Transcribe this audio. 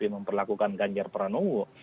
memperlakukan ganjar peranowo